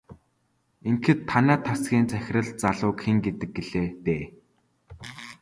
Ингэхэд танай тасгийн захирал залууг хэн гэдэг гэлээ дээ?